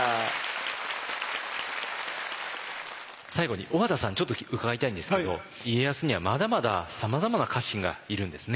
最後に小和田さんちょっと伺いたいんですけど家康にはまだまださまざまな家臣がいるんですね。